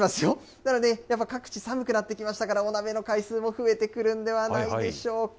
ただね、やっぱ各地、寒くなってきましたから、お鍋の回数も増えてくるんではないでしょうか。